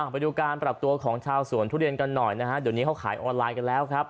ไปดูการปรับตัวของชาวสวนทุเรียนกันหน่อยนะฮะเดี๋ยวนี้เขาขายออนไลน์กันแล้วครับ